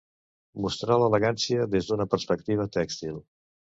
Mostrar l'elegància des d'una perspectiva tèxtil.